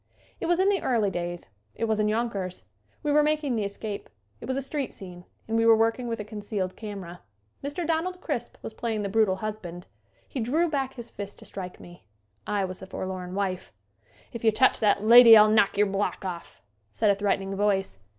It was in the early days. It was in Yonkers. We were making "The Escape." It was a street scene and we were working with a con cealed camera. Mr. Donald Crisp was playing the brutal husband. He drew back his fist to strike me. I was the forlorn wife. "If yu' touch that lady I'll knock yer block off," said a threatening voice.